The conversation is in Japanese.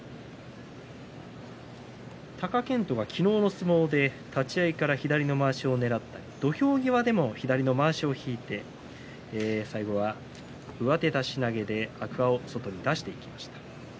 貴健斗は昨日の相撲で立ち合いから左のまわしをねらっている土俵際でも左のまわしを引いて最後は上手出し投げで天空海の外に出しました。